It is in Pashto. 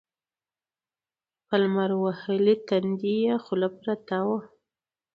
په لمر وهلي تندي يې خوله پرته وه.